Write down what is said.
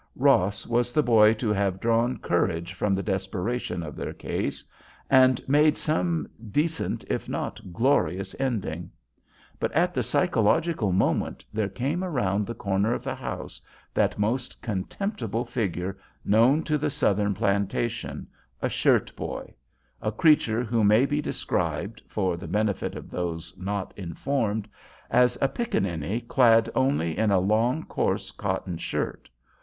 Ross was the boy to have drawn courage from the desperation of their case, and made some decent if not glorious ending. But at the psychological moment there came around the corner of the house that most contemptible figure known to the Southern plantation, a shirt boy—a creature who may be described, for the benefit of those not informed, as a pickaninny clad only in a long, coarse cotton shirt.